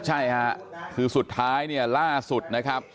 ใช่ค่ะคือสุดท้ายเนี่ยล่าสุดนะครับ